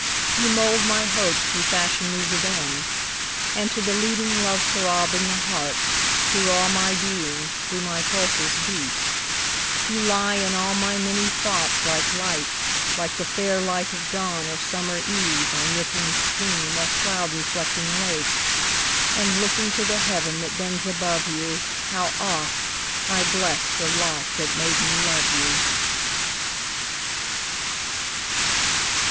26 You mould my Hopes you fashion me within: And to the leading love throb in the heart, Through all my being, through my pulses beat; You lie in all my many thoughts like Light, Like the fair light of Dawn, or summer Eve, On rippling stream, or cloud reflecting lake; And looking to the Heaven that bends above you, How oft! I bless the lot that made me love you.